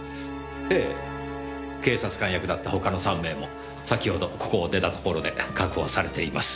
ええ警察官役だった他の３名も先ほどここを出た所で確保されています。